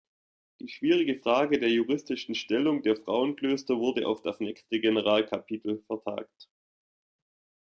Die schwierige Frage der juristischen Stellung der Frauenklöster wurde auf das nächste Generalkapitel vertagt.